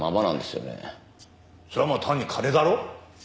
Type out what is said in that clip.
それはまあ単に金だろ？